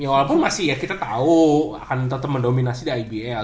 ya walaupun masih ya kita tau akan tetep mendominasi di ibl